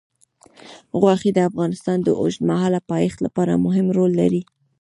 غوښې د افغانستان د اوږدمهاله پایښت لپاره مهم رول لري.